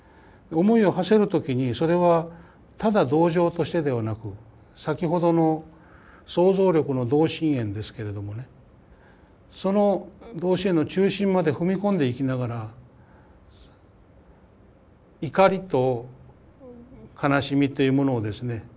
思いをはせる時にそれはただ同情としてではなく先ほどの想像力の同心円ですけれどもねその同心円の中心まで踏み込んでいきながら怒りと悲しみというものをですね